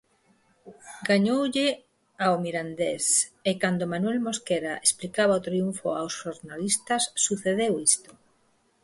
Gañoulle ao Mirandés, e, cando Manuel Mosquera explicaba o triunfo aos xornalistas, sucedeu isto.